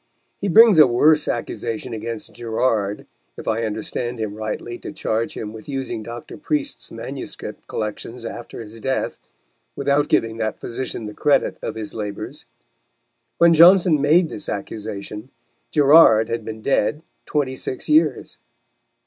He brings a worse accusation against Gerard, if I understand him rightly to charge him with using Dr. Priest's manuscript collections after his death, without giving that physician the credit of his labours. When Johnson made this accusation, Gerard had been dead twenty six years.